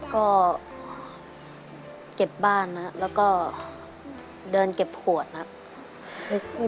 ก็เก็บบ้านนะครับแล้วก็เดินเก็บขวดครับ